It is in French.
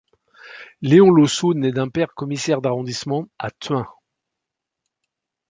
Léon Losseau naît d'un père commissaire d'arrondissement à Thuin.